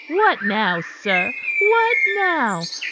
"What now, sir? What now?